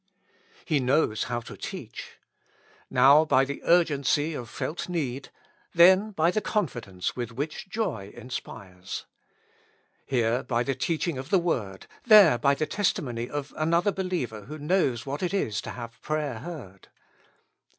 He knows how to teach. Now by the urgency of felt need, then by the confidence with which joy inspires. Here by the teaching of the Word, there by the testimony of another believer who knows what it is to have prayer heard.